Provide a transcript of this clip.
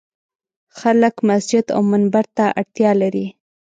خلک مسجد او منبر ته اړتیا لري.